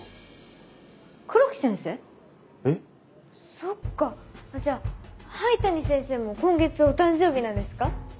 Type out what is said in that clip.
そっかじゃあ灰谷先生も今月お誕生日なんですか？